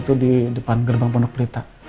depan karangan bunga itu di depan gerbang pondok berita